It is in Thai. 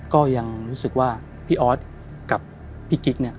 ก็ยังรู้สึกว่าพี่ออสกับพี่กิ๊กเนี่ย